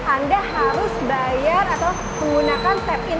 anda harus bayar atau menggunakan tap in